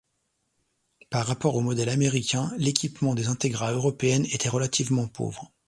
Par rapport aux modèles américains, l'équipement des Integra européennes était relativement pauvre.